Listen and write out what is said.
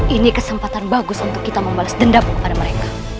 ini kesempatan bagus untuk kita membalas dendam kepada mereka